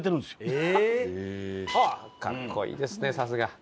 かっこいいですねさすが。